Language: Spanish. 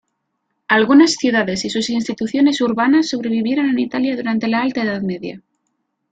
Algunas ciudades y sus instituciones urbanas sobrevivieron en Italia durante la Alta Edad Media.